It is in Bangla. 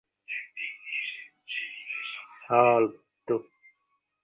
হাঁ, অল্প একটু।